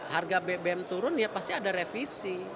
harga bbm turun ya pasti ada revisi